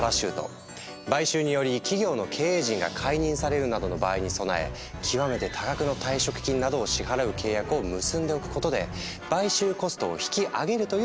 買収により企業の経営陣が解任されるなどの場合に備え極めて多額の退職金などを支払う契約を結んでおくことで買収コストを引き上げるという作戦。